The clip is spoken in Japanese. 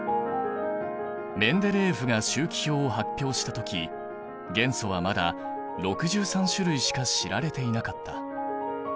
メンデレーエフが周期表を発表した時元素はまだ６３種類しか知られていなかった。